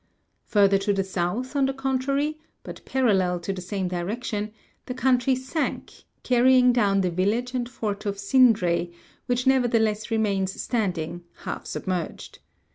Further to the south, on the contrary, but parallel to the same direction, the country sank, carrying down the village and fort of Sindre, which nevertheless remains standing, half submerged.